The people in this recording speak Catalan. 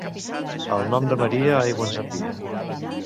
El Nom de Maria aigua ens envia.